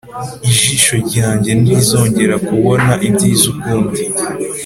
ijisho ryanjye ntirizongera kubona ibyiza ukundi